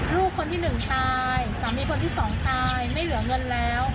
ลูกคนที่หนึ่งตายสามีคนที่สองตายไม่เหลือเงินแล้ว